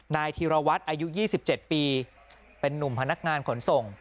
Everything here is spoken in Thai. นายธีรวัตรอายุ๒๗ปีเป็นนุ่มพนักงานขนส่ง